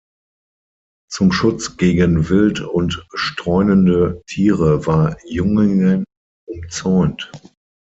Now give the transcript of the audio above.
Zum Schutz gegen Wild und streunende Tiere war Jungingen umzäunt.